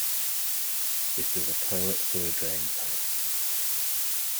This is a toilet sewer drain pipe.